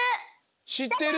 しってる！